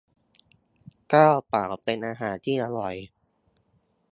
ข้าวเปล่า เป็นอาหารที่อร่อย